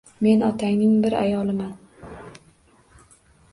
Men otangning bir ayoliman.